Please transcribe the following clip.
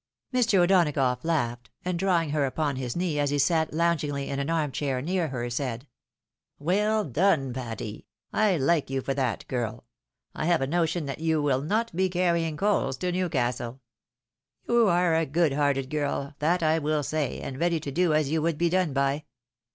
'Mi. O'Donagough laughed, and drawing her upon his knee as he sat loungingly in an arm ohair near her, said, —" Well done Patty ! I like you for that, girl. I have a notion that you wiU not be carrying coals to Newcastle. You are a good hearted girl, that I will say, and ready to do as you would be done by.